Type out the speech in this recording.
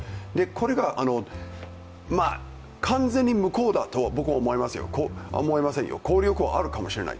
これが完全に無効だと思いませんよ、効力はあるかもしれない。